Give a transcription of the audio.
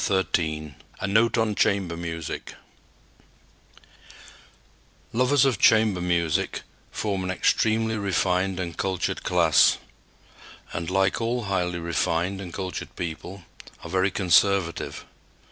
XIII A NOTE ON CHAMBER MUSIC Lovers of chamber music form an extremely refined and cultured class, and, like all highly refined and cultured people, are very conservative.